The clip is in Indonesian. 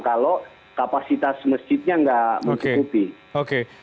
kalau kapasitas masjidnya nggak mencukupi